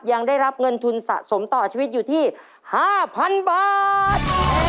ยังได้รับเงินทุนสะสมต่อชีวิตอยู่ที่๕๐๐๐บาท